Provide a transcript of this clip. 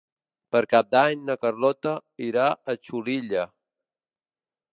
Per Cap d'Any na Carlota irà a Xulilla.